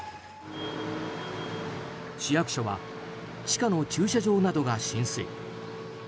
市役所は地下の駐車場などが浸水。